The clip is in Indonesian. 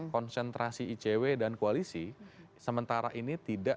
konsentrasi icw dan koalisi sementara ini tidak